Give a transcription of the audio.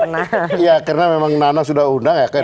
tapi ya karena memang nana sudah undang ya